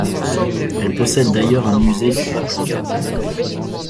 Elle possède d'ailleurs un musée du paprika.